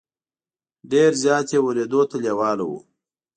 ډېر زیات یې ورېدو ته لېواله وو.